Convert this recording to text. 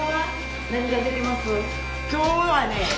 今日はね